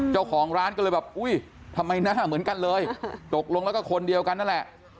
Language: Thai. เจ้าของร้านก็เลยแบบอุ้ยทำไมหน้าเหมือนกันเลยตกลงแล้วก็คนเดียวกันนั่นแหละ